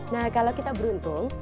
nah kalau kita beruntung